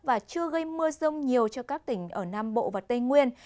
và chưa gây mưa rông nhiều cho các tỉnh ở nam bộ và tây nguyên